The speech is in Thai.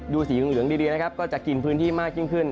สีเหลืองดีนะครับก็จะกินพื้นที่มากยิ่งขึ้น